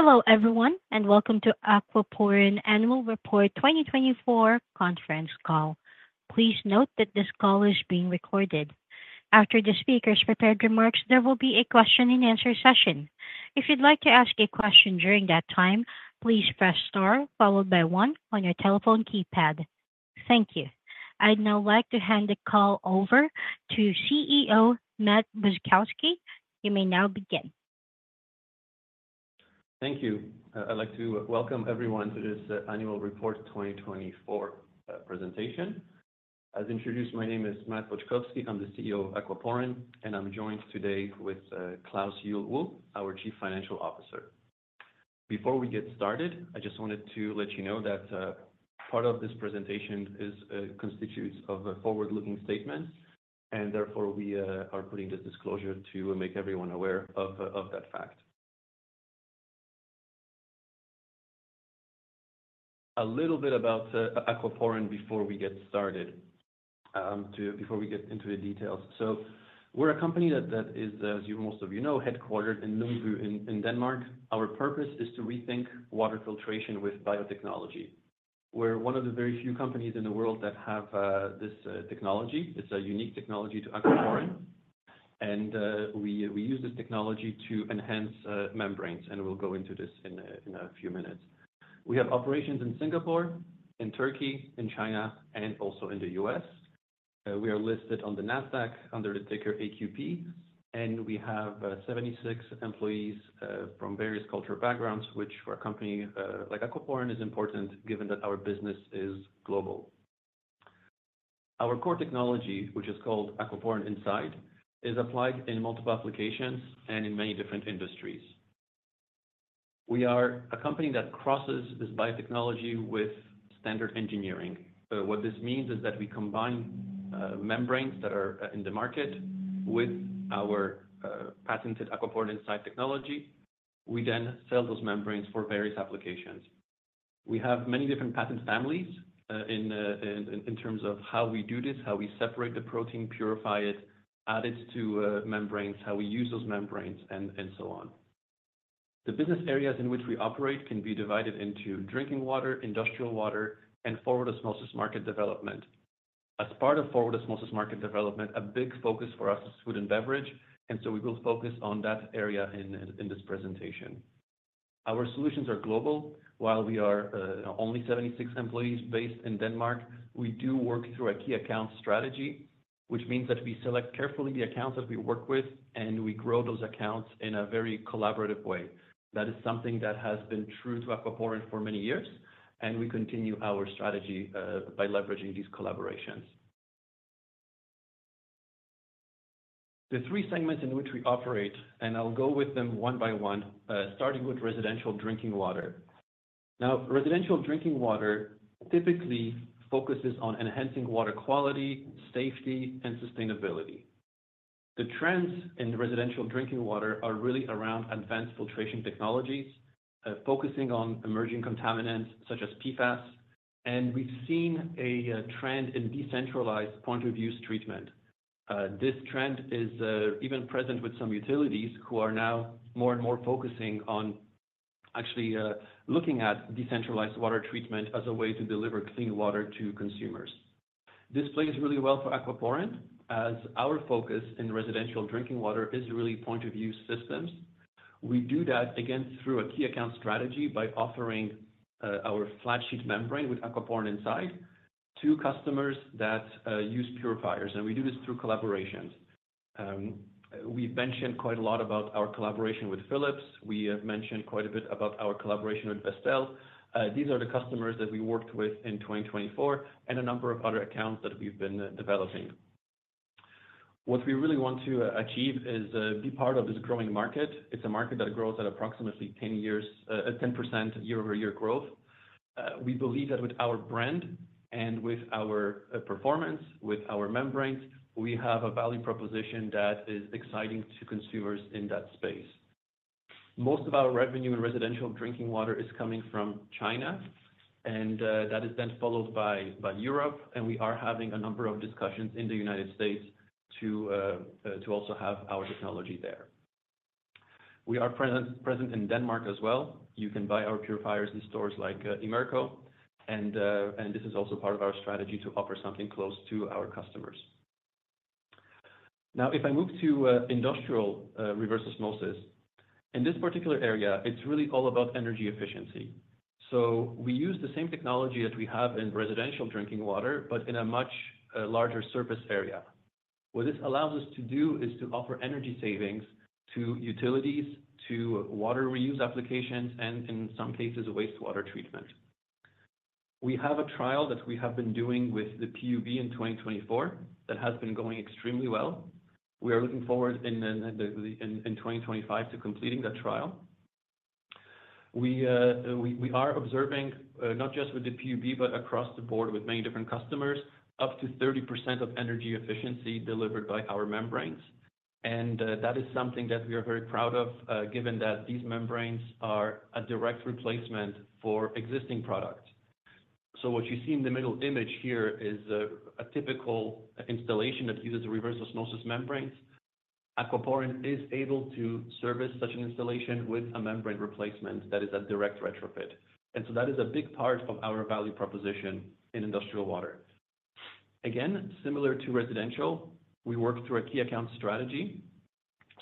Hello everyone, and welcome to Aquaporin Annual Report 2024 conference call. Please note that this call is being recorded. After the speaker's prepared remarks, there will be a question-and-answer session. If you'd like to ask a question during that time, please press star followed by one on your telephone keypad. Thank you. I'd now like to hand the call over to CEO Matt Boczkowski. You may now begin. Thank you. I'd like to welcome everyone to this Annual Report 2024 presentation. As introduced, my name is Matt Boczkowski. I'm the CEO of Aquaporin, and I'm joined today with Klaus Juhl Wulff, our Chief Financial Officer. Before we get started, I just wanted to let you know that part of this presentation constitutes a forward-looking statement, and therefore we are putting this disclosure to make everyone aware of that fact. A little bit about Aquaporin before we get started, before we get into the details. We're a company that is, as most of you know, headquartered in Kongens Lyngby in Denmark. Our purpose is to rethink water filtration with biotechnology. We're one of the very few companies in the world that have this technology. It's a unique technology to Aquaporin, and we use this technology to enhance membranes, and we'll go into this in a few minutes. We have operations in Singapore, in Turkey, in China, and also in the U.S. We are listed on the Nasdaq under the ticker AQP, and we have 76 employees from various cultural backgrounds, which for a company like Aquaporin is important given that our business is global. Our core technology, which is called Aquaporin Inside, is applied in multiple applications and in many different industries. We are a company that crosses this biotechnology with standard engineering. What this means is that we combine membranes that are in the market with our patented Aquaporin Inside technology. We then sell those membranes for various applications. We have many different patent families in terms of how we do this, how we separate the protein, purify it, add it to membranes, how we use those membranes, and so on. The business areas in which we operate can be divided into Drinking Water, Industrial Water, and Forward Osmosis Market Development. As part of Forward Osmosis Market Development, a big focus for us is Food & Beverage, and so we will focus on that area in this presentation. Our solutions are global. While we are only 76 employees based in Denmark, we do work through a key account strategy, which means that we select carefully the accounts that we work with, and we grow those accounts in a very collaborative way. That is something that has been true to Aquaporin for many years, and we continue our strategy by leveraging these collaborations. The three segments in which we operate, and I'll go with them one by one, starting with Residential Drinking Water. Now, Residential Drinking Water typically focuses on enhancing water quality, safety, and sustainability. The trends in Residential Drinking Water are really around advanced filtration technologies, focusing on emerging contaminants such as PFAS, and we've seen a trend in decentralized point-of-use treatment. This trend is even present with some utilities who are now more and more focusing on actually looking at decentralized water treatment as a way to deliver clean water to consumers. This plays really well for Aquaporin, as our focus in Residential Drinking Water is really point-of-use systems. We do that, again, through a key account strategy by offering our flatsheet membrane with Aquaporin Inside to customers that use purifiers, and we do this through collaborations. We've mentioned quite a lot about our collaboration with Philips. We have mentioned quite a bit about our collaboration with Vestel. These are the customers that we worked with in 2024 and a number of other accounts that we've been developing. What we really want to achieve is be part of this growing market. It's a market that grows at approximately 10% year-over-year growth. We believe that with our brand and with our performance, with our membranes, we have a value proposition that is exciting to consumers in that space. Most of our revenue in Residential Drinking Water is coming from China, and that is then followed by Europe, and we are having a number of discussions in the United States to also have our technology there. We are present in Denmark as well. You can buy our purifiers in stores like Imerco, and this is also part of our strategy to offer something close to our customers. Now, if I move to Industrial Reverse Osmosis, in this particular area, it's really all about energy-efficiency. We use the same technology that we have in Residential Drinking Water, but in a much larger surface area. What this allows us to do is to offer energy savings to utilities, to water reuse applications, and in some cases, wastewater treatment. We have a trial that we have been doing with the PUB in 2024 that has been going extremely well. We are looking forward in 2025 to completing that trial. We are observing not just with the PUB, but across the board with many different customers, up to 30% of energy-efficiency delivered by our membranes, and that is something that we are very proud of, given that these membranes are a direct replacement for existing products. What you see in the middle image here is a typical installation that uses reverse osmosis membranes. Aquaporin is able to service such an installation with a membrane replacement that is a direct retrofit, and that is a big part of our value proposition in Industrial Water. Again, similar to residential, we work through a key account strategy.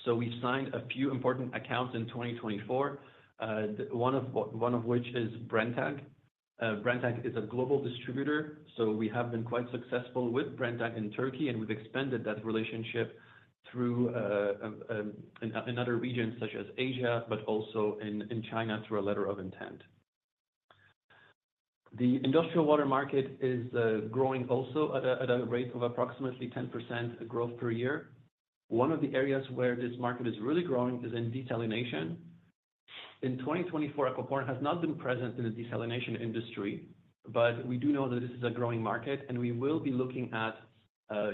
We signed a few important accounts in 2024, one of which is Brenntag. Brenntag is a global distributor, so we have been quite successful with Brenntag in Turkey, and we have expanded that relationship in other regions such as Asia, but also in China through a Letter of Intent. The Industrial Water market is growing also at a rate of approximately 10% growth per year. One of the areas where this market is really growing is in desalination. In 2024, Aquaporin has not been present in the desalination industry, but we do know that this is a growing market, and we will be looking at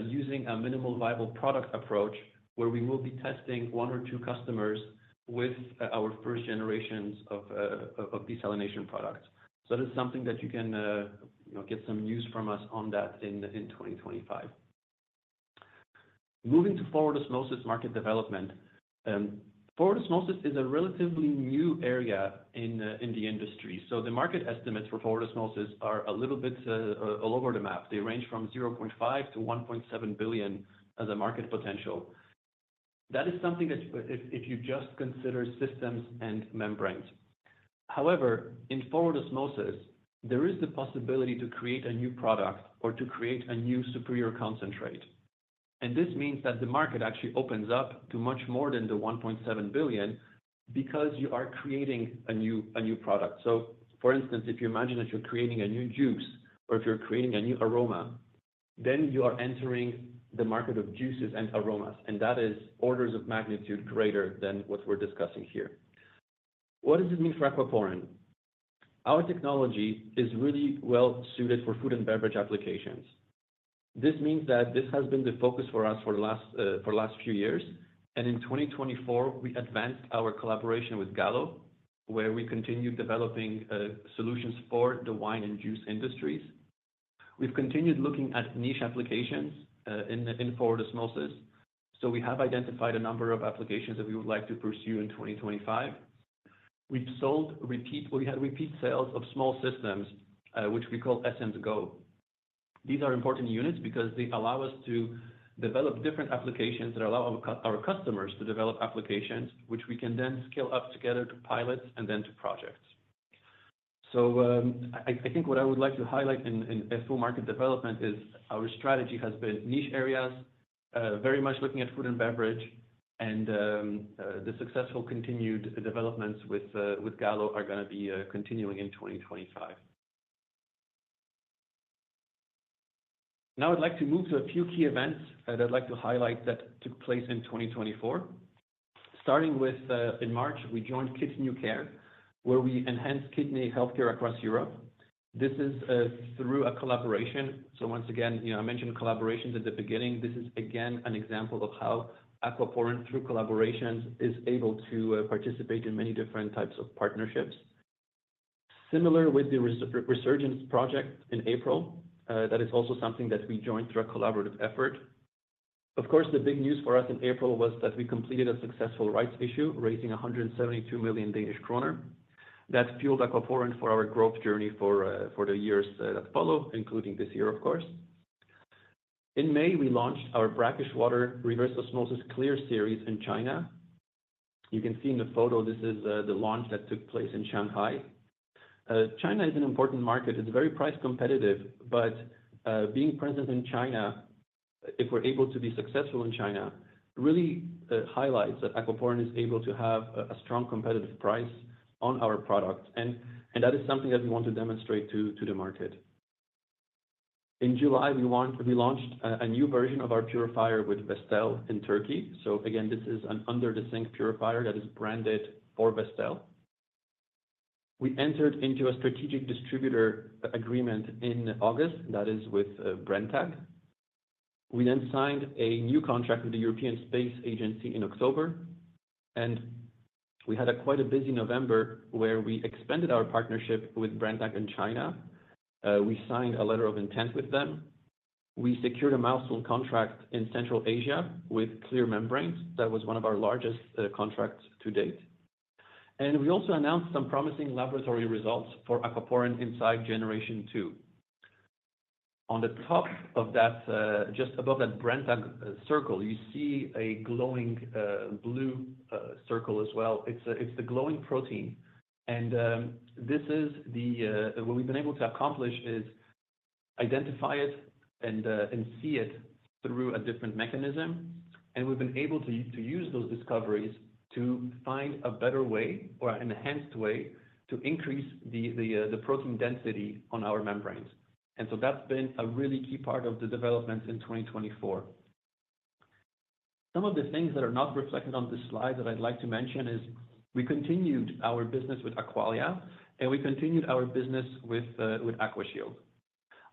using a minimum viable product approach where we will be testing one or two customers with our first generations of desalination products. That is something that you can get some news from us on that in 2025. Moving to Forward Osmosis Market Development, forward osmosis is a relatively new area in the industry. The market estimates for forward osmosis are a little bit all over the map. They range from 0.5 billion-1.7 billion as a market potential. That is something that if you just consider systems and membranes. However, in forward osmosis, there is the possibility to create a new product or to create a new superior concentrate. This means that the market actually opens up to much more than the 1.7 billion because you are creating a new product. For instance, if you imagine that you're creating a new juice or if you're creating a new aroma, then you are entering the market of juices and aromas, and that is orders of magnitude greater than what we're discussing here. What does it mean for Aquaporin? Our technology is really well suited for Food & Beverage applications. This means that this has been the focus for us for the last few years, and in 2024, we advanced our collaboration with Gallo, where we continue developing solutions for the wine and juice industries. We've continued looking at niche applications in forward osmosis, so we have identified a number of applications that we would like to pursue in 2025. We had repeat sales of small systems, which we call ESSENCE Go. These are important units because they allow us to develop different applications that allow our customers to develop applications, which we can then scale up together to pilots and then to projects. I think what I would like to highlight in FO Market Development is our strategy has been niche areas, very much looking at Food & Beverage, and the successful continued developments with Gallo are going to be continuing in 2025. Now I'd like to move to a few key events that I'd like to highlight that took place in 2024. Starting with, in March, we joined Kidney New Care, where we enhanced kidney healthcare across Europe. This is through a collaboration. Once again, I mentioned collaborations at the beginning. This is, again, an example of how Aquaporin, through collaborations, is able to participate in many different types of partnerships. Similar with the Resurgence project in April, that is also something that we joined through a collaborative effort. Of course, the big news for us in April was that we completed a successful rights issue, raising 172 million Danish kroner. That fueled Aquaporin for our growth journey for the years that followed, including this year, of course. In May, we launched our Brackish Water reverse osmosis CLEAR series in China. You can see in the photo this is the launch that took place in Shanghai. China is an important market. It's very price-competitive, but being present in China, if we're able to be successful in China, really highlights that Aquaporin is able to have a strong competitive price on our product, and that is something that we want to demonstrate to the market. In July, we launched a new version of our purifier with Vestel in Turkey. This is an under-the-sink purifier that is branded for Vestel. We entered into a Strategic Distributor Agreement in August, that is with Brenntag. We then signed a new contract with the European Space Agency in October, and we had quite a busy November where we expanded our partnership with Brenntag in China. We signed a letter of intent with them. We secured a milestone contract in Central Asia with CLEAR membranes. That was one of our largest contracts to date. We also announced some promising laboratory results for Aquaporin Inside Generation 2. On the top of that, just above that Brenntag circle, you see a glowing blue circle as well. It's the glowing protein, and this is what we've been able to accomplish: identify it and see it through a different mechanism. We've been able to use those discoveries to find a better way or an enhanced way to increase the protein density on our membranes. That has been a really key part of the developments in 2024. Some of the things that are not reflected on this slide that I'd like to mention is we continued our business with Aqualia, and we continued our business with AquaShield.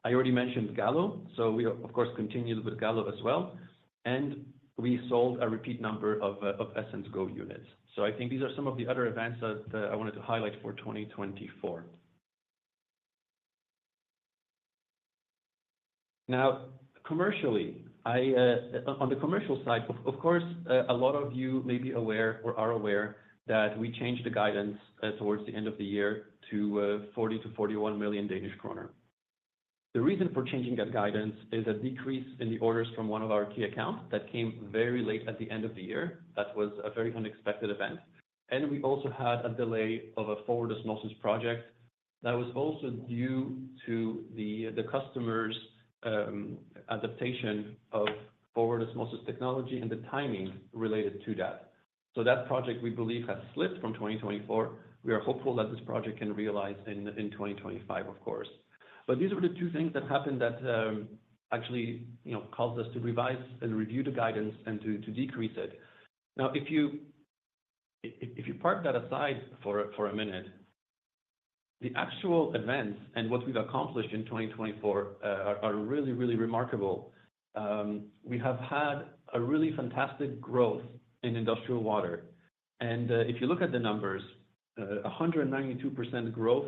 I already mentioned Gallo, so we, of course, continued with Gallo as well, and we sold a repeat number of SMs Go units. I think these are some of the other events that I wanted to highlight for 2024. Now, commercially, on the commercial side, of course, a lot of you may be aware or are aware that we changed the guidance towards the end of the year to 40 million-41 million Danish kroner. The reason for changing that guidance is a decrease in the orders from one of our key accounts that came very late at the end of the year. That was a very unexpected event. We also had a delay of a forward osmosis project that was also due to the customers' adaptation of forward osmosis technology and the timing related to that. That project, we believe, has slipped from 2024. We are hopeful that this project can realize in 2025, of course. These are the two things that happened that actually caused us to revise and review the guidance and to decrease it. Now, if you park that aside for a minute, the actual events and what we've accomplished in 2024 are really, really remarkable. We have had a really fantastic growth in Industrial Water, and if you look at the numbers, 192% growth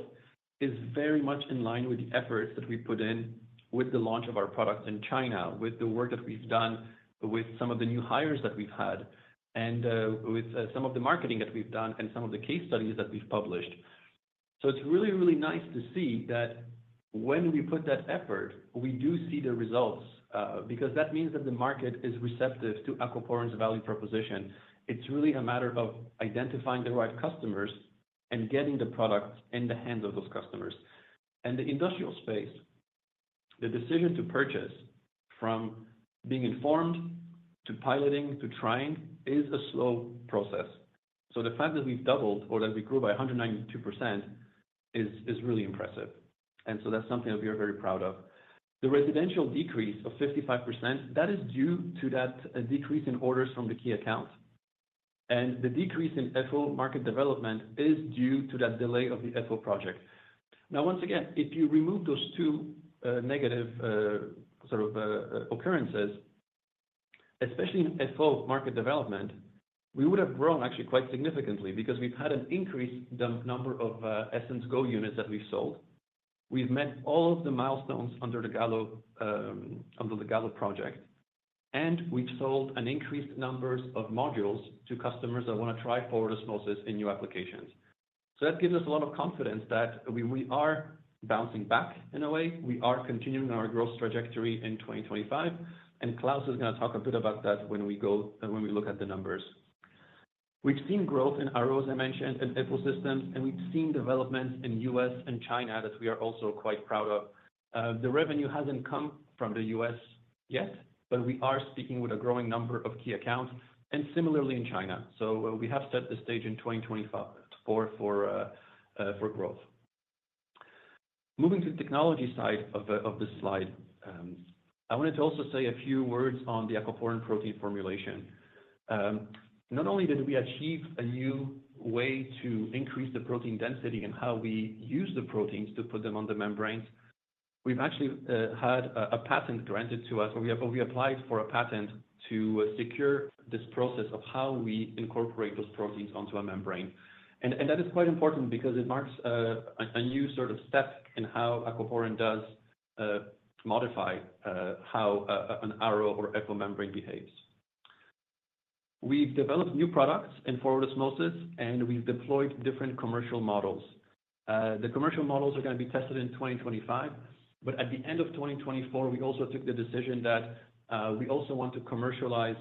is very much in line with the efforts that we put in with the launch of our product in China, with the work that we've done, with some of the new hires that we've had, and with some of the marketing that we've done and some of the case-studies that we've published. It is really, really nice to see that when we put that effort, we do see the results because that means that the market is receptive to Aquaporin's value proposition. It's really a matter of identifying the right customers and getting the product in the hands of those customers. In the industrial space, the decision to purchase from being informed to piloting to trying is a slow process. The fact that we've doubled or that we grew by 192% is really impressive, and that's something that we are very proud of. The residential decrease of 55% is due to that decrease in orders from the key account, and the decrease in FO Market Development is due to that delay of the FO project. Now, once again, if you remove those two negative sort of occurrences, especially in FO Market Development, we would have grown actually quite significantly because we've had an increased number of SMs Go units that we've sold. We've met all of the milestones under the Gallo project, and we've sold an increased number of modules to customers that want to try forward osmosis in new applications. That gives us a lot of confidence that we are bouncing back in a way. We are continuing our growth trajectory in 2025, and Klaus is going to talk a bit about that when we look at the numbers. We've seen growth in ROs, I mentioned, and FO systems, and we've seen developments in the U.S. and China that we are also quite proud of. The revenue hasn't come from the U.S. yet, but we are speaking with a growing number of key accounts, and similarly in China. We have set the stage in 2024 for growth. Moving to the technology side of this slide, I wanted to also say a few words on the Aquaporin protein formulation. Not only did we achieve a new way to increase the protein density and how we use the proteins to put them on the membranes, we've actually had a patent granted to us, or we applied for a patent to secure this process of how we incorporate those proteins onto a membrane. That is quite important because it marks a new sort of step in how Aquaporin does modify how an RO or FO membrane behaves. We've developed new products in forward osmosis, and we've deployed different commercial models. The commercial models are going to be tested in 2025. At the end of 2024, we also took the decision that we also want to commercialize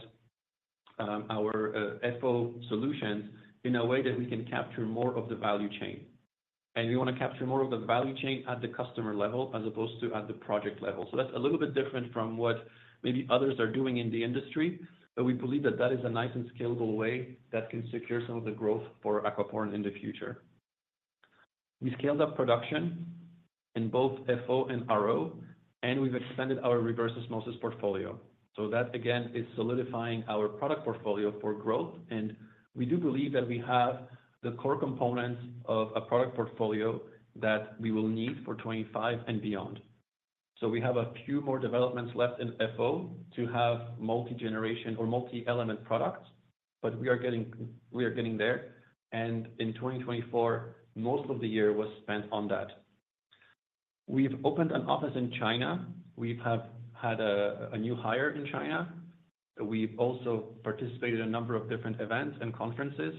our FO solutions in a way that we can capture more of the value chain. We want to capture more of the value chain at the customer level as opposed to at the project level. That is a little bit different from what maybe others are doing in the industry, but we believe that that is a nice and scalable way that can secure some of the growth for Aquaporin in the future. We scaled up production in both FO and RO, and we've expanded our reverse osmosis portfolio. That, again, is solidifying our product portfolio for growth, and we do believe that we have the core components of a product portfolio that we will need for 2025 and beyond. We have a few more developments left in FO to have multi-generation or multi-element products, but we are getting there. In 2024, most of the year was spent on that. We've opened an office in China. We have had a new hire in China. We've also participated in a number of different events and conferences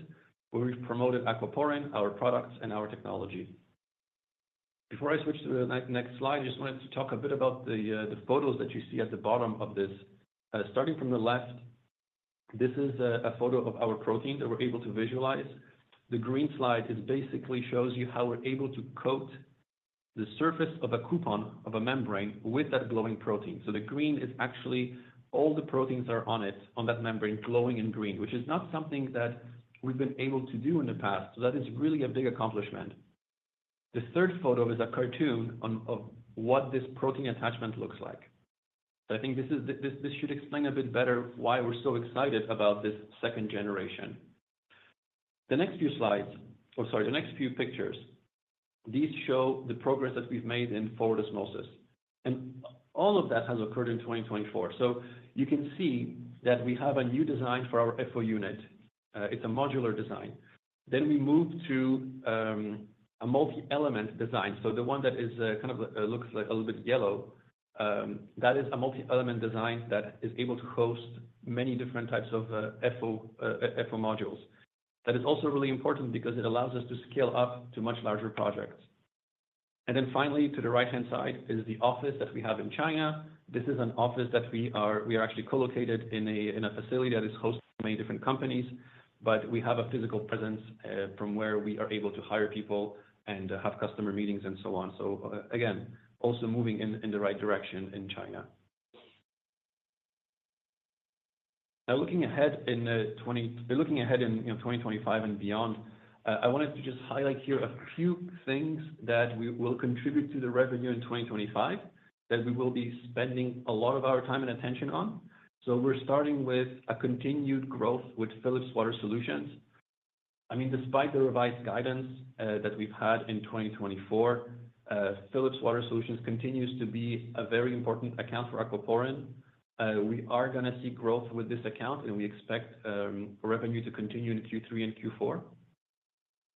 where we've promoted Aquaporin, our products, and our technology. Before I switch to the next slide, I just wanted to talk a bit about the photos that you see at the bottom of this. Starting from the left, this is a photo of our protein that we're able to visualize. The green slide basically shows you how we're able to coat the surface of a coupon of a membrane with that glowing protein. The green is actually all the proteins that are on it, on that membrane, glowing in green, which is not something that we've been able to do in the past. That is really a big accomplishment. The third photo is a cartoon of what this protein attachment looks like. I think this should explain a bit better why we're so excited about this second-generation. The next few slides, or sorry, the next few pictures, these show the progress that we've made in forward osmosis. All of that has occurred in 2024. You can see that we have a new design for our FO unit. It's a modular design. We moved to a multi-element design. The one that kind of looks a little bit yellow, that is a multi-element design that is able to host many different types of FO modules. That is also really important because it allows us to scale up to much larger projects. Finally, to the right-hand side is the office that we have in China. This is an office that we are actually co-located in a facility that is hosted by many different companies, but we have a physical presence from where we are able to hire people and have customer meetings and so on. Again, also moving in the right direction in China. Now, looking ahead in 2025 and beyond, I wanted to just highlight here a few things that will contribute to the revenue in 2025 that we will be spending a lot of our time and attention on. We're starting with a continued growth with Philips Water Solutions. I mean, despite the revised guidance that we've had in 2024, Philips Water Solutions continues to be a very important account for Aquaporin. We are going to see growth with this account, and we expect revenue to continue in Q3 and Q4.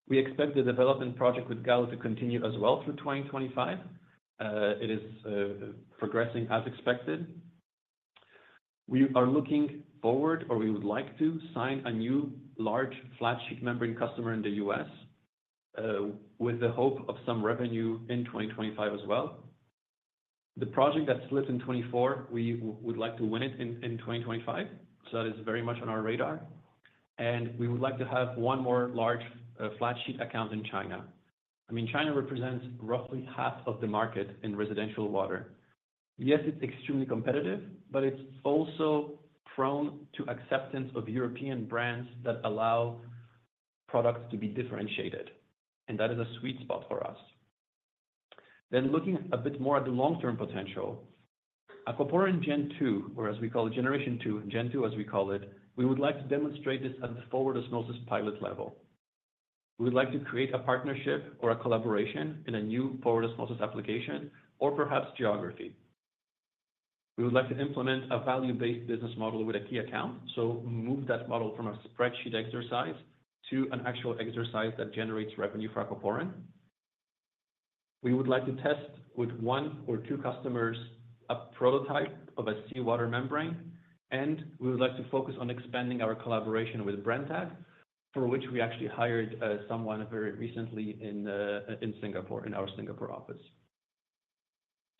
We expect the development project with Gallo to continue as well through 2025. It is progressing as expected. We are looking forward, or we would like to, to sign a new large flat sheet membrane customer in the U.S. with the hope of some revenue in 2025 as well. The project that slipped in 2024, we would like to win it in 2025. That is very much on our radar. We would like to have one more large flat sheet account in China. I mean, China represents roughly half of the market in Residential Water. Yes, it's extremely competitive, but it's also prone to acceptance of European brands that allow products to be differentiated. That is a sweet spot for us. Looking a bit more at the long-term potential, Aquaporin Gen 2, or as we call it, Generation 2, Gen 2, as we call it, we would like to demonstrate this at the forward osmosis pilot level. We would like to create a partnership or a collaboration in a new forward osmosis application or perhaps geography. We would like to implement a value-based business model with a key account. Move that model from a spreadsheet exercise to an actual exercise that generates revenue for Aquaporin. We would like to test with one or two customers a prototype of a seawater-membrane, and we would like to focus on expanding our collaboration with Brenntag, for which we actually hired someone very recently in Singapore, in our Singapore office.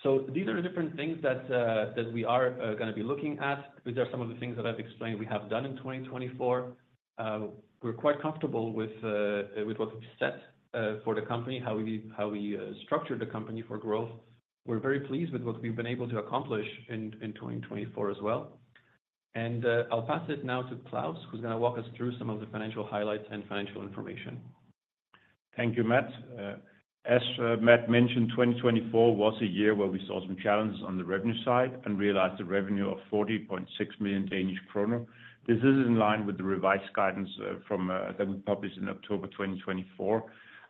These are the different things that we are going to be looking at. These are some of the things that I've explained we have done in 2024. We're quite comfortable with what we've set for the company, how we structured the company for growth. We're very pleased with what we've been able to accomplish in 2024 as well. I'll pass it now to Klaus, who's going to walk us through some of the financial highlights and financial information. Thank you, Matt. As Matt mentioned, 2024 was a year where we saw some challenges on the revenue side and realized a revenue of 40.6 million Danish kroner. This is in line with the revised guidance that we published in October 2024.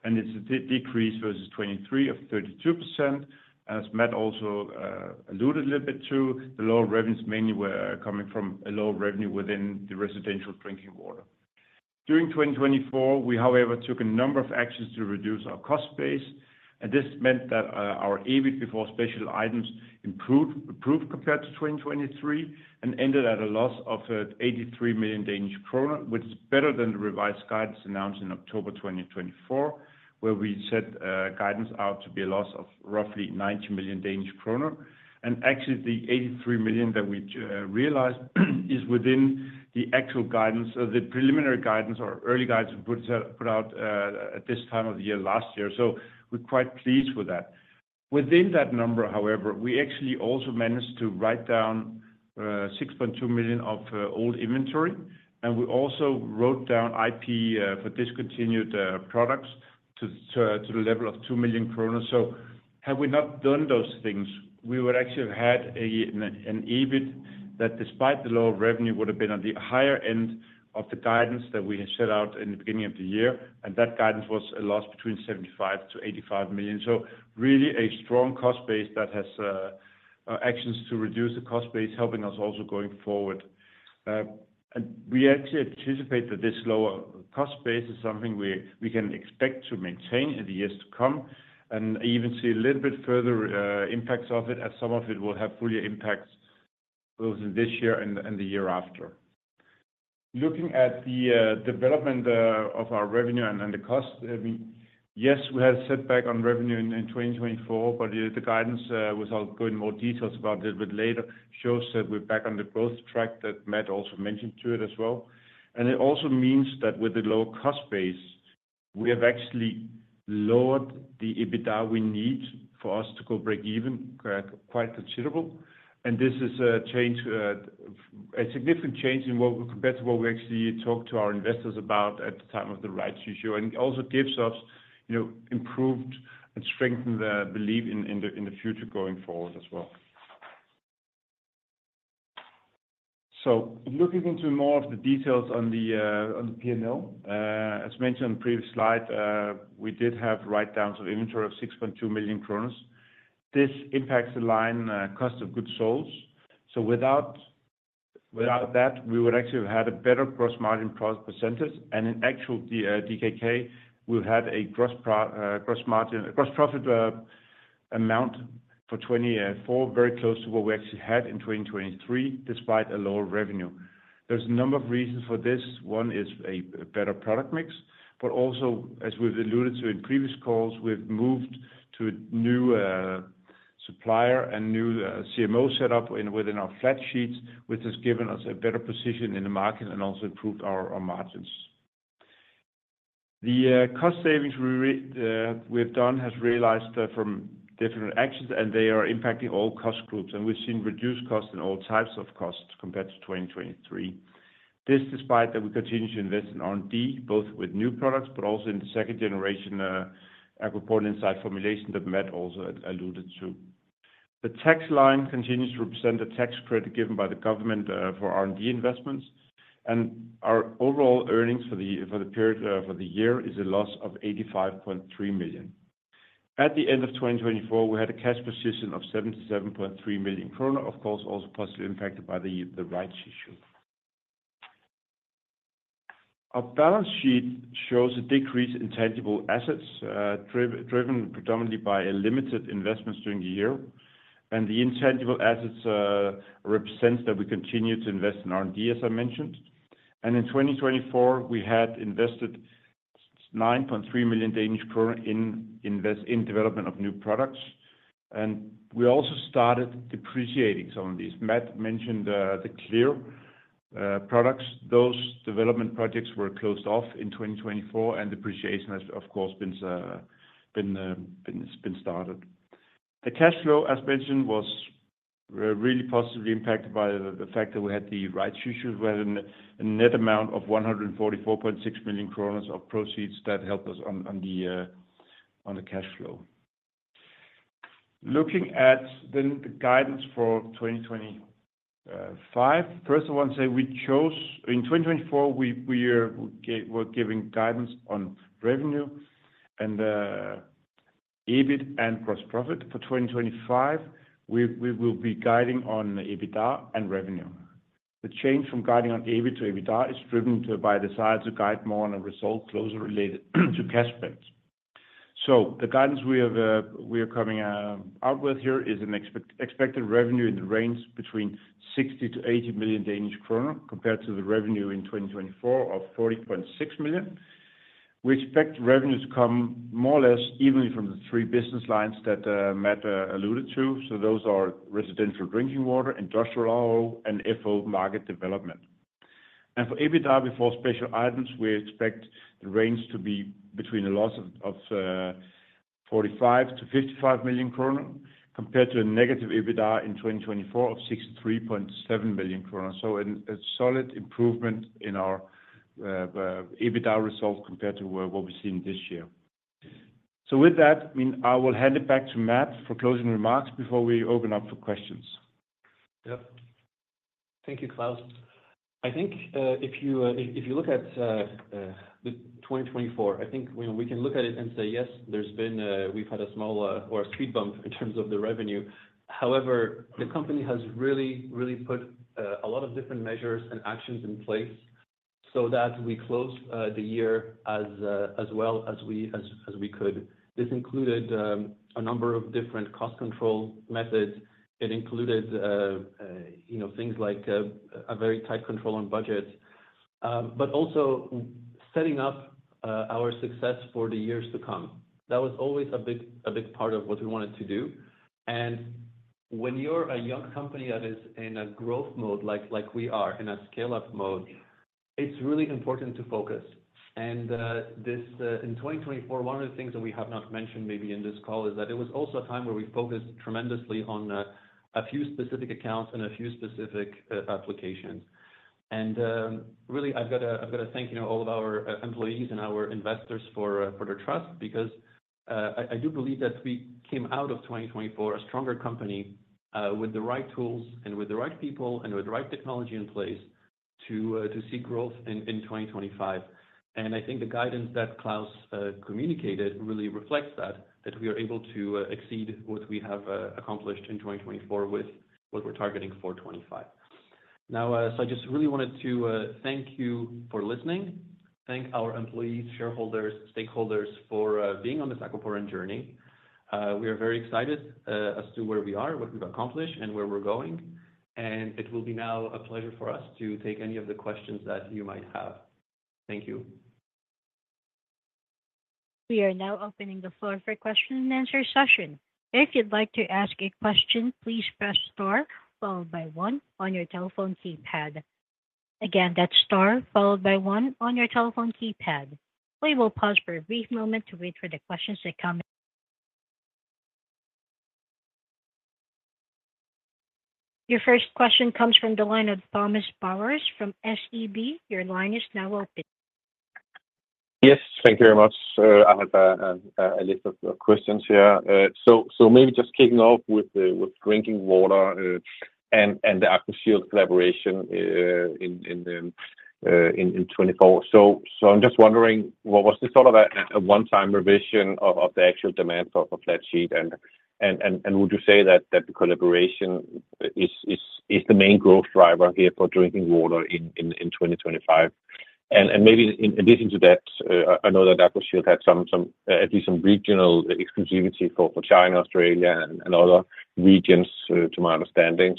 It's a decrease versus 2023 of 32%. As Matt also alluded a little bit to, the low revenues mainly were coming from a low revenue within the Residential Drinking Water. During 2024, we, however, took a number of actions to reduce our cost base. This meant that our EBIT before special items improved compared to 2023 and ended at a loss of 83 million Danish kroner, which is better than the revised guidance announced in October 2024, where we set guidance out to be a loss of roughly 90 million Danish kroner. Actually, the 83 million that we realized is within the actual guidance, the preliminary guidance or early guidance we put out at this time of the year last year. We are quite pleased with that. Within that number, however, we actually also managed to write down 6.2 million of old inventory. We also wrote down IP for discontinued products to the level of 2 million kroner. Had we not done those things, we would actually have had an EBIT that, despite the low revenue, would have been at the higher end of the guidance that we had set out in the beginning of the year. That guidance was a loss between 75 million-85 million. Really a strong cost base that has actions to reduce the cost base, helping us also going forward. We actually anticipate that this lower cost base is something we can expect to maintain in the years to come and even see a little bit further impacts of it, as some of it will have further impacts both in this year and the year after. Looking at the development of our revenue and the cost, I mean, yes, we had a setback on revenue in 2024, but the guidance, without going into more details about it a bit later, shows that we're back on the growth track that Matt also mentioned to it as well. It also means that with the low cost base, we have actually lowered the EBITDA we need for us to go break-even quite considerably. This is a significant change compared to what we actually talked to our investors about at the time of the rights issue. It also gives us improved and strengthened belief in the future going forward as well. Looking into more of the details on the P&L, as mentioned on the previous slide, we did have write-downs of inventory of 6.2 million. This impacts the line Cost of Goods Sold. Without that, we would actually have had a better gross margin percentage. In actual DKK, we've had a gross profit amount for 2024 very close to what we actually had in 2023, despite a lower revenue. There are a number of reasons for this. One is a better product-mix. Also, as we've alluded to in previous calls, we've moved to a new supplier and new CMO setup within our flat sheets, which has given us a better position in the market and also improved our margins. The cost savings we've done has realized from different actions, and they are impacting all cost-groups. We've seen reduced costs in all types of costs compared to 2023. This is despite that we continue to invest in R&D, both with new products, but also in the second generation Aquaporin Inside formulation that Matt also alluded to. The tax line continues to represent a tax-credit given by the government for R&D investments. Our overall earnings for the year is a loss of 85.3 million. At the end of 2024, we had a cash position of 77.3 million kroner, of course, also possibly impacted by the rights issue. Our balance-sheet shows a decrease in tangible assets driven predominantly by limited investments during the year. The intangible assets represent that we continue to invest in R&D, as I mentioned. In 2024, we had invested 9.3 million Danish kroner in development of new products. We also started depreciating some of these. Matt mentioned the CLEAR products. Those development projects were closed off in 2024, and depreciation has, of course, been started. The cash-flow, as mentioned, was really positively impacted by the fact that we had the rights issues. We had a net amount of 144.6 million crowns of proceeds that helped us on the cash-flow. Looking at then the guidance for 2025, first of all, I want to say we chose in 2024, we were giving guidance on revenue and EBIT and gross profit. For 2025, we will be guiding on EBITDA and revenue. The change from guiding on EBIT to EBITDA is driven by the desire to guide more on a result closer related to cash spend. The guidance we are coming out with here is an expected revenue in the range between 60-80 million Danish kroner compared to the revenue in 2024 of 40.6 million. We expect revenues to come more or less evenly from the three business lines that Matt alluded to. Those are Residential Drinking Water, Industrial RO, and FO Market Development. For EBITDA before special-items, we expect the range to be between a loss of 45 million-55 million kroner compared to a negative EBITDA in 2024 of 63.7 million kroner. A solid improvement in our EBITDA result compared to what we've seen this year. With that, I mean, I will hand it back to Matt for closing remarks before we open up for questions. Yep. Thank you, Klaus. I think if you look at the 2024, I think we can look at it and say, yes, there's been a we've had a small or a speed bump in terms of the revenue. However, the company has really, really put a lot of different measures and actions in place so that we closed the year as well as we could. This included a number of different cost control methods. It included things like a very tight control on budgets, but also setting up our success for the years to come. That was always a big part of what we wanted to do. When you're a young company that is in a growth-mode like we are in a scale-up mode, it's really important to focus. In 2024, one of the things that we have not mentioned maybe in this call is that it was also a time where we focused tremendously on a few specific accounts and a few specific applications. Really, I've got to thank all of our employees and our investors for their trust because I do believe that we came out of 2024 a stronger company with the right tools and with the right people and with the right technology in place to see growth in 2025. I think the guidance that Klaus communicated really reflects that, that we are able to exceed what we have accomplished in 2024 with what we're targeting for 2025. I just really wanted to thank you for listening. Thank our employees, shareholders, stakeholders for being on this Aquaporin journey. We are very excited as to where we are, what we've accomplished, and where we're going. It will be now a pleasure for us to take any of the questions that you might have. Thank you. We are now opening the floor for question-and-answer session. If you'd like to ask a question, please press star followed by one on your telephone keypad. Again, that's star followed by one on your telephone keypad. We will pause for a brief moment to wait for the questions to come. Your first question comes from the line of Thomas Bowers from SEB. Your line is now open. Yes, thank you very much. I have a list of questions here. Maybe just kicking off with drinking water and the AquaShield collaboration in 2024. I am just wondering, was this sort of a one-time revision of the actual demand for flat sheet? Would you say that the collaboration is the main growth driver here for drinking water in 2025? In addition to that, I know that AquaShield had at least some regional exclusivity for China, Australia, and other regions, to my understanding.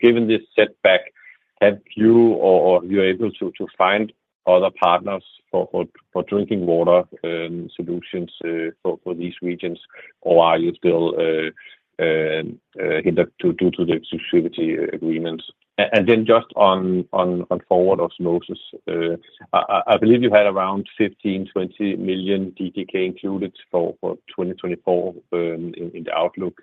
Given this setback, have you or are you able to find other partners for drinking water solutions for these regions, or are you still hindered due to the exclusivity agreements? Just on forward osmosis, I believe you had around 15-20 million included for 2024 in the outlook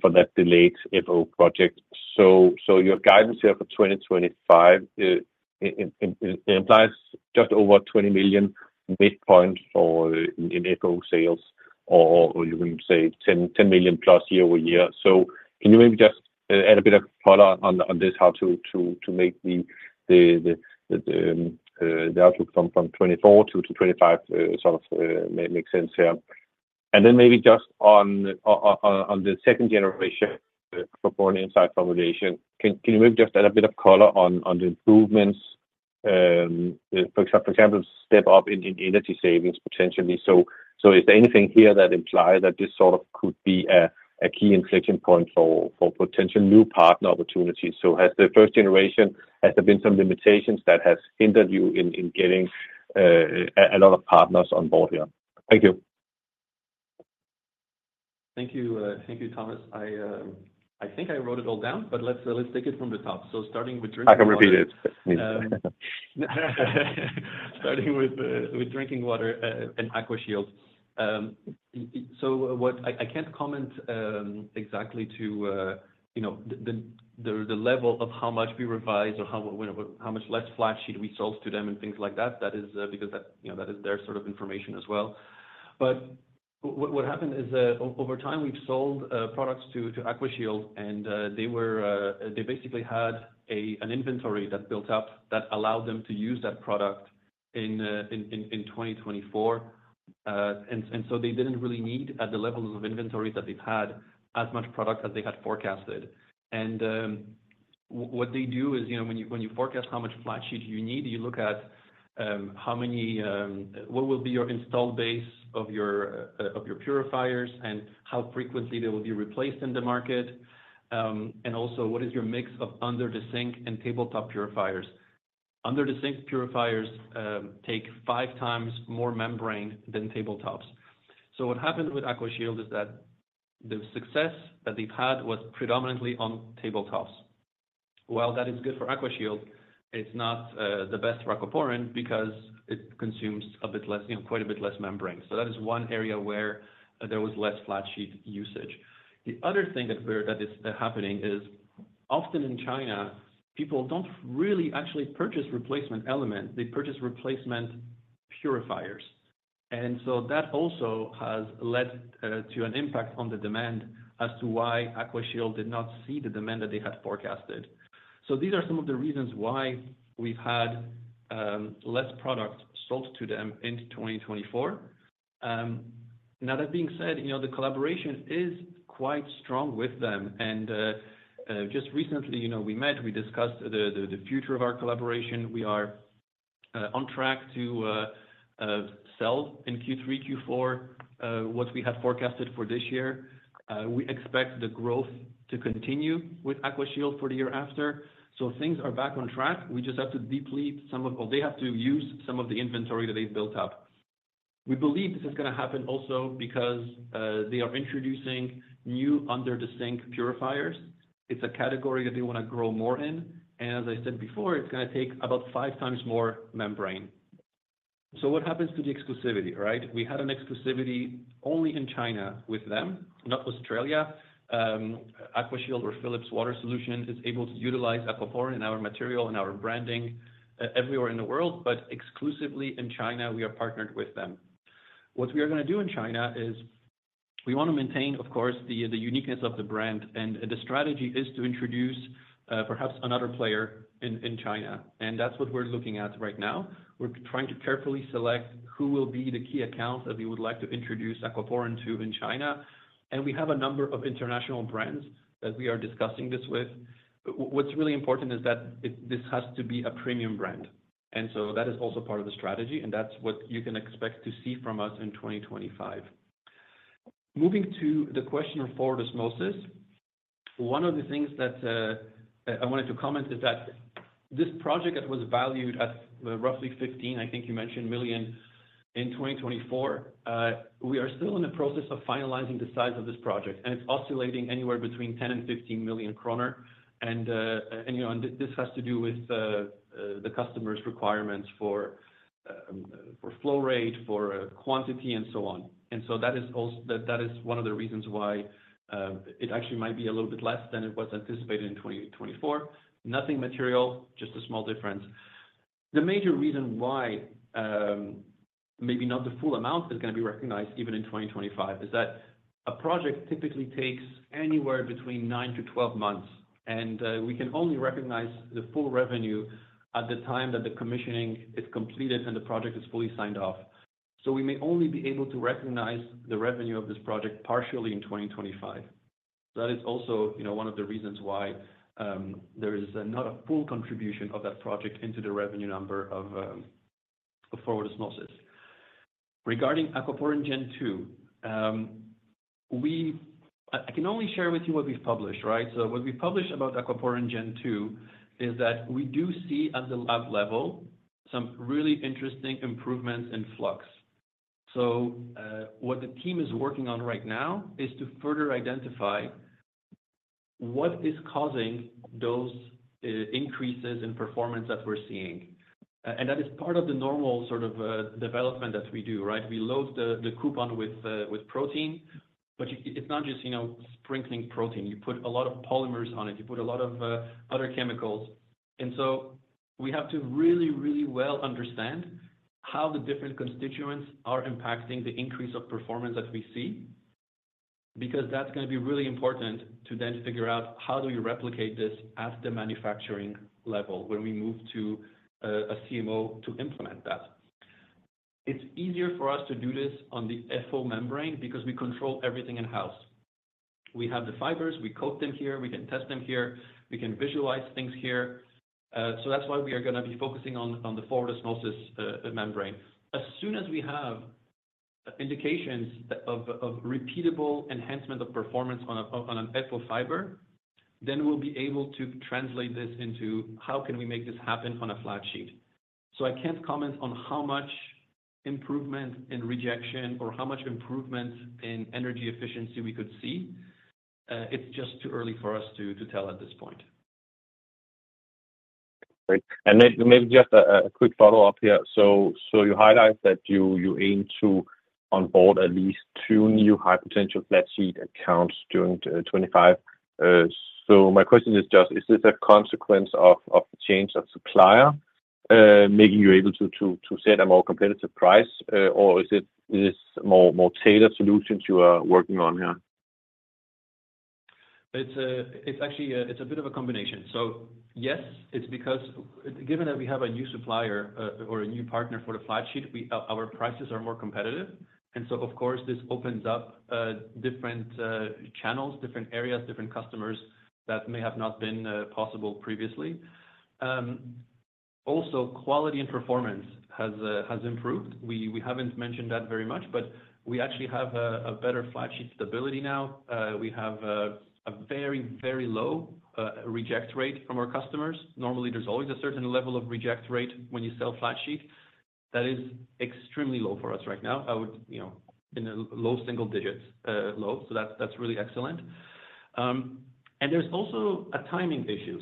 for that delayed FO project. Your guidance here for 2025 implies just over 20 million midpoint in FO sales, or you can say 10 million plus year-over-year. Can you maybe just add a bit of color on this, how to make the outlook from 2024 to 2025 sort of make sense here? Maybe just on the second generation Aquaporin Inside formulation, can you maybe just add a bit of color on the improvements, for example, step-up in energy savings potentially? Is there anything here that implies that this sort of could be a key inflection point for potential new partner opportunities? Has the first-generation, has there been some limitations that have hindered you in getting a lot of partners on board here? Thank you. Thank you, Thomas. I think I wrote it all down, but let's take it from the top. Starting with Drinking Water and AquaShield. I can't comment exactly to the level of how much we revise or how much less flat sheet we sold to them and things like that, because that is their sort of information as well. What happened is, over time, we've sold products to AquaShield, and they basically had an inventory that built up that allowed them to use that product in 2024. They didn't really need, at the level of inventory that they've had, as much product as they had forecasted. What they do is, when you forecast how much flat sheet you need, you look at what will be your install base of your purifiers and how frequently they will be replaced in the market. Also, what is your mix of under-the-sink and tabletop purifiers? Under-the-sink purifiers take five times more membrane than tabletops. What happened with AquaShield is that the success that they've had was predominantly on tabletops. While that is good for AquaShield, it's not the best for Aquaporin because it consumes quite a bit less membrane. That is one area where there was less flat sheet usage. The other thing that is happening is, often in China, people don't really actually purchase replacement elements. They purchase replacement purifiers. That also has led to an impact on the demand as to why AquaShield did not see the demand that they had forecasted. These are some of the reasons why we've had less product sold to them in 2024. That being said, the collaboration is quite strong with them. Just recently, we met. We discussed the future of our collaboration. We are on track to sell in Q3, Q4 what we had forecasted for this year. We expect the growth to continue with AquaShield for the year after. Things are back on track. We just have to deplete some of, or they have to use some of the inventory that they've built up. We believe this is going to happen also because they are introducing new under-the-sink purifiers. It's a category that they want to grow more in. As I said before, it's going to take about five times more membrane. What happens to the exclusivity, right? We had an exclusivity only in China with them, not Australia. AquaShield or Philips Water Solution is able to utilize Aquaporin in our material and our branding everywhere in the world, but exclusively in China, we are partnered with them. What we are going to do in China is we want to maintain, of course, the uniqueness of the brand. The strategy is to introduce perhaps another player in China. That is what we are looking at right now. We are trying to carefully select who will be the key accounts that we would like to introduce Aquaporin to in China. We have a number of international brands that we are discussing this with. What is really important is that this has to be a premium-brand. That is also part of the strategy. That is what you can expect to see from us in 2025. Moving to the question of forward osmosis, one of the things that I wanted to comment is that this project that was valued at roughly 15 million, I think you mentioned, in 2024, we are still in the process of finalizing the size of this project. It is oscillating anywhere between 10 million-15 million kroner. This has to do with the customer's requirements for flow-rate, for quantity, and so on. That is one of the reasons why it actually might be a little bit less than it was anticipated in 2024. Nothing material, just a small difference. The major reason why maybe not the full amount is going to be recognized even in 2025 is that a project typically takes anywhere between 9-12 months. We can only recognize the full revenue at the time that the commissioning is completed and the project is fully signed off. We may only be able to recognize the revenue of this project partially in 2025. That is also one of the reasons why there is not a full contribution of that project into the revenue number of forward osmosis. Regarding Aquaporin Gen 2, I can only share with you what we've published, right? What we've published about Aquaporin Gen 2 is that we do see at the lab level some really interesting improvements in flux. What the team is working on right now is to further identify what is causing those increases in performance that we're seeing. That is part of the normal sort of development that we do, right? We load the coupon with protein, but it's not just sprinkling protein. You put a lot of polymers on it. You put a lot of other chemicals. We have to really, really well understand how the different constituents are impacting the increase of performance that we see because that's going to be really important to then figure out how do we replicate this at the manufacturing level when we move to a CMO to implement that. It's easier for us to do this on the FO membrane because we control everything in-house. We have the fibers. We coat them here. We can test them here. We can visualize things here. That is why we are going to be focusing on the forward osmosis membrane. As soon as we have indications of repeatable enhancement of performance on an FO-fiber, then we'll be able to translate this into how can we make this happen on a flat sheet. I can't comment on how much improvement in rejection or how much improvement in energy efficiency we could see. It's just too early for us to tell at this point. Maybe just a quick follow-up here. You highlight that you aim to onboard at least two new high-potential flat sheet accounts during 2025. My question is just, is this a consequence of change of supplier making you able to set a more competitive price, or is this more tailored solutions you are working on here? It's actually a bit of a combination. Yes, it's because given that we have a new supplier or a new partner for the flat sheet, our prices are more competitive. Of course, this opens up different channels, different areas, different customers that may have not been possible previously. Also, quality and performance has improved. We haven't mentioned that very much, but we actually have a better flat sheet stability now. We have a very, very low reject-rate from our customers. Normally, there's always a certain level of reject rate when you sell flat sheet. That is extremely low for us right now, in the low single digits. That is really excellent. There is also a timing issue.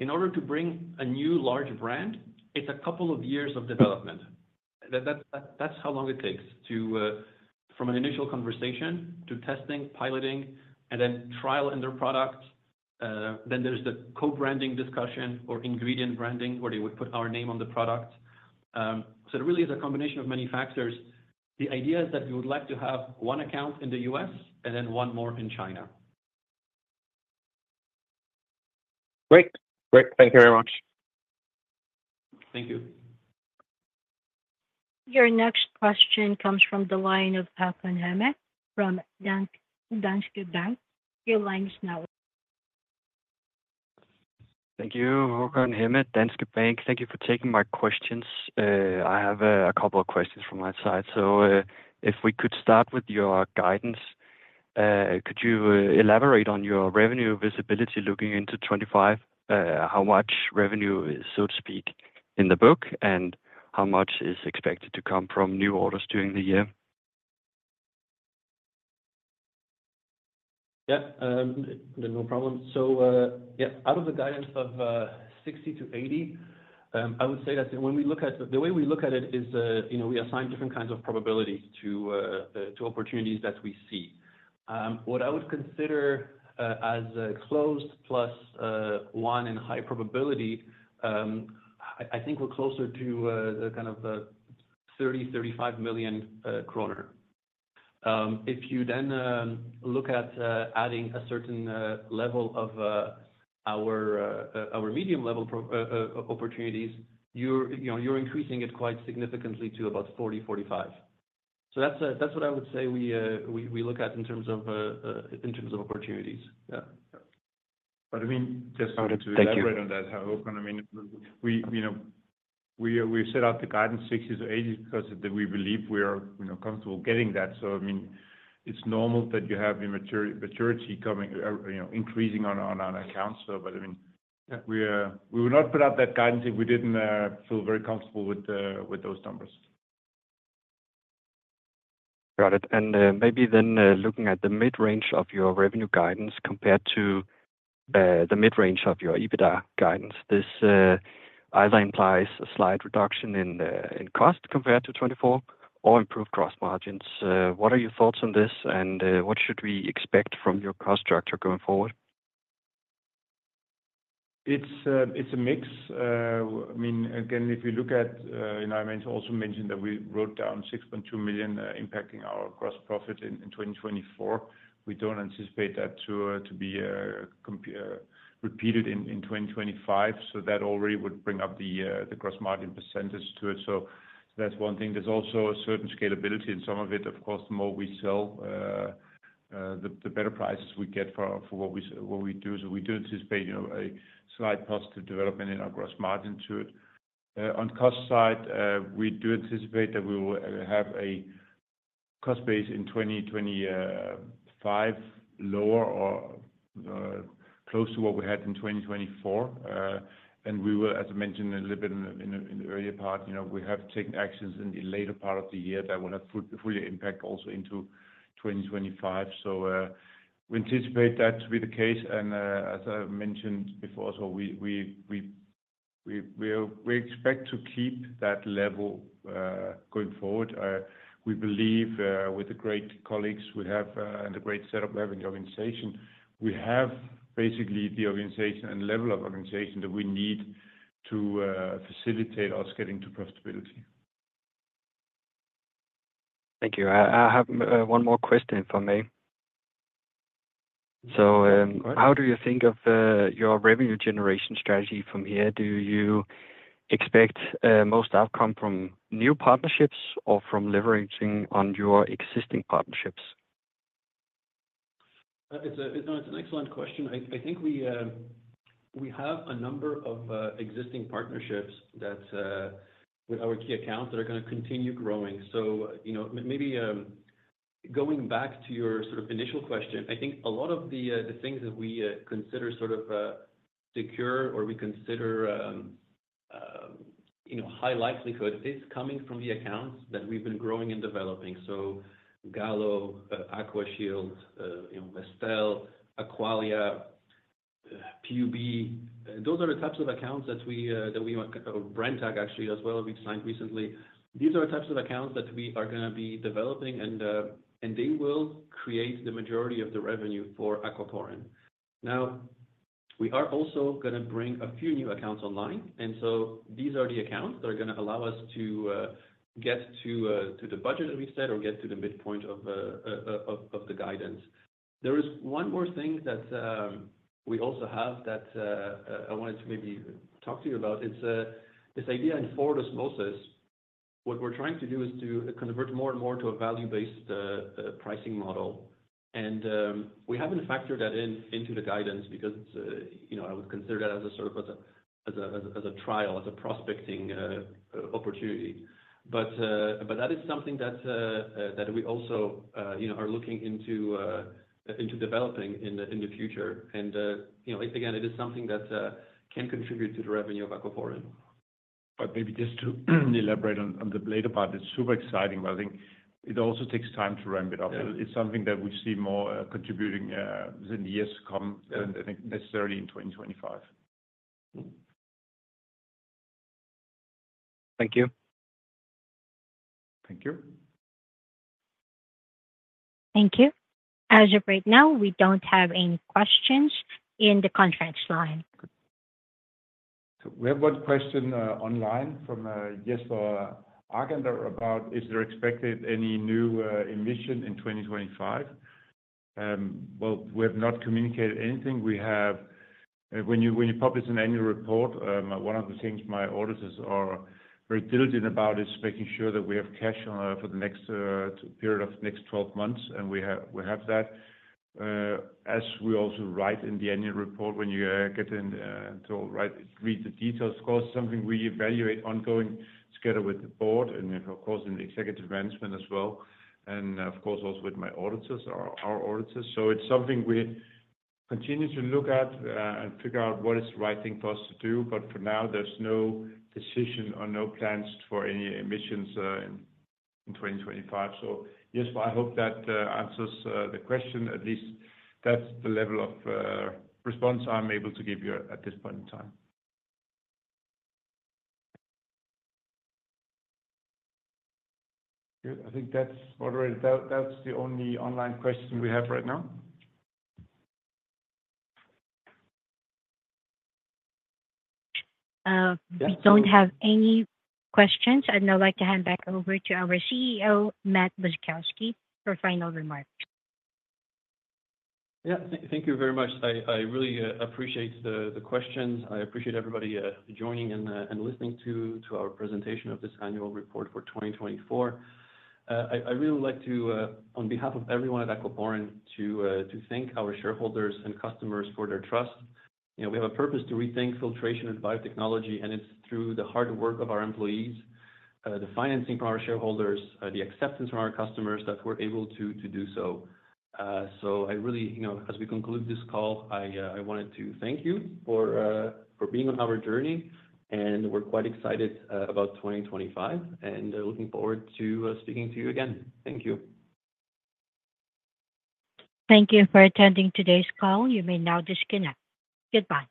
In order to bring a new large brand, it's a couple of years of development. That's how long it takes from an initial conversation to testing, piloting, and then trial and their product. There is the co-branding discussion or ingredient-branding where they would put our name on the product. It really is a combination of many factors. The idea is that we would like to have one account in the U.S. and then one more in China. Great. Great. Thank you very much. Thank you. Your next question comes from the line of Håkon Hemme from Danske Bank. Your line is now. Thank you, Håkon Hemme, Danske Bank. Thank you for taking my questions. I have a couple of questions from my side. If we could start with your guidance, could you elaborate on your revenue visibility looking into 2025, how much revenue, so to speak, in the book, and how much is expected to come from new orders during the year? Yeah. No problem. Out of the guidance of 60 million-80 million, I would say that when we look at the way we look at it is we assign different kinds of probabilities to opportunities that we see. What I would consider as closed plus one in high-probability, I think we're closer to the kind of 30 million-35 million kroner. If you then look at adding a certain level of our medium-level opportunities, you're increasing it quite significantly to about 40-45. That is what I would say we look at in terms of opportunities. Yeah. I mean, just to elaborate on that, Håkon, I mean, we set out the guidance 60 million-80 million because we believe we are comfortable getting that. I mean, it is normal that you have maturity increasing on our accounts. I mean, we will not put out that guidance if we did not feel very comfortable with those numbers. Got it. Maybe then looking at the mid-range of your revenue guidance compared to the mid-range of your EBITDA guidance, this either implies a slight reduction in cost compared to 2024 or improved gross margins. What are your thoughts on this, and what should we expect from your cost structure going forward? It's a mix. I mean, again, if you look at, I also mentioned that we wrote down 6.2 million impacting our gross profit in 2024. We do not anticipate that to be repeated in 2025. That already would bring up the gross margin percentage to it. That is one thing. There is also a certain scalability in some of it. Of course, the more we sell, the better prices we get for what we do. We do anticipate a slight positive development in our gross margin to it. On the cost side, we do anticipate that we will have a cost base in 2025 lower or close to what we had in 2024. As I mentioned a little bit in the earlier part, we have taken actions in the later part of the year that will have full impact also into 2025. We anticipate that to be the case. As I mentioned before, we expect to keep that level going forward. We believe with the great colleagues we have and the great setup we have in the organization, we have basically the organization and level of organization that we need to facilitate us getting to profitability. Thank you. I have one more question for me. How do you think of your revenue generation strategy from here? Do you expect most outcome from new partnerships or from leveraging on your existing partnerships? It's an excellent question. I think we have a number of existing partnerships with our key accounts that are going to continue growing. Maybe going back to your sort of initial question, I think a lot of the things that we consider sort of secure or we consider high-likelihood is coming from the accounts that we've been growing and developing. Gallo, AquaShield, Vestel, Aqualia, PUB. Those are the types of accounts that we, Brenntag actually as well as we signed recently. These are types of accounts that we are going to be developing, and they will create the majority of the revenue for Aquaporin. Now, we are also going to bring a few new accounts online. These are the accounts that are going to allow us to get to the budget that we set or get to the midpoint of the guidance. There is one more thing that we also have that I wanted to maybe talk to you about. It's this idea in forward osmosis. What we're trying to do is to convert more and more to a value-based pricing model. We haven't factored that into the guidance because I would consider that as a sort of a trial, as a prospecting opportunity. That is something that we also are looking into developing in the future. Again, it is something that can contribute to the revenue of Aquaporin. Maybe just to elaborate on the later part, it's super exciting, but I think it also takes time to ramp it up. It's something that we see more contributing in the years to come than necessarily in 2025. Thank you. Thank you. Thank you. As of right now, we don't have any questions in the contracts line. We have one question online from Jessica Argander about is there expected any new emission in 2025? We have not communicated anything. When you publish an Annual Report, one of the things my auditors are very diligent about is making sure that we have cash for the next period of the next 12 months. We have that. As we also write in the Annual Report, when you get to read the details, of course, it is something we evaluate ongoing together with the Board and, of course, in the Executive Management as well. Of course, also with my auditors, our auditors. It is something we continue to look at and figure out what is the right thing for us to do. For now, there is no decision or no plans for any emissions in 2025. Yes, I hope that answers the question. At least that is the level of response I am able to give you at this point in time. Good. I think that is all right. That's the only online question we have right now. We don't have any questions. I'd like to hand back over to our CEO, Matt Boczkowski, for final remarks. Yeah. Thank you very much. I really appreciate the questions. I appreciate everybody joining and listening to our presentation of this Annual Report for 2024. I really would like to, on behalf of everyone at Aquaporin, to thank our shareholders and customers for their trust. We have a purpose to rethink filtration and biotechnology, and it's through the hard work of our employees, the financing from our shareholders, the acceptance from our customers that we're able to do so. I really, as we conclude this call, wanted to thank you for being on our journey. We're quite excited about 2025 and looking forward to speaking to you again. Thank you. Thank you for attending today's call. You may now disconnect. Goodbye.